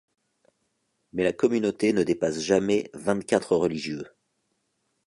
Mais la communauté ne dépasse jamais vingt-quatre religieux.